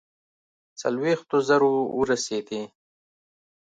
څلوېښتو زرو ورسېدی.